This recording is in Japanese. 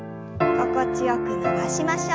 心地よく伸ばしましょう。